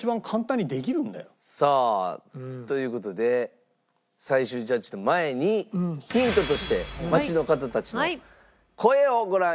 さあという事で最終ジャッジの前にヒントとして街の方たちの声をご覧いただきましょう。